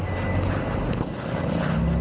ตำรวจต้องไล่ตามกว่าจะรองรับเหตุได้